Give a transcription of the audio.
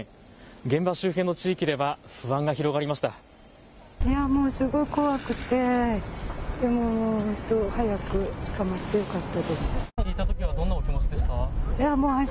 現場周辺の地域では不安が広がりました。